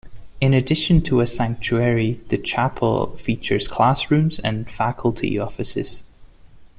In addition to a sanctuary, the chapel features classrooms and faculty offices.